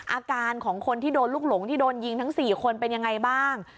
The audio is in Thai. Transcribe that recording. อาการของคนที่โดนลูกหลงที่โดนยิงทั้ง๔คนเป็นยังไงบ้าง